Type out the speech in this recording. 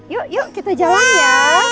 yuk yuk kita jalan ya